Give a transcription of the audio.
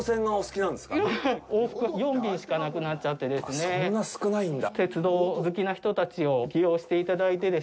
あっ、そんな少ないんだ？